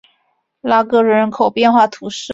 拉戈人口变化图示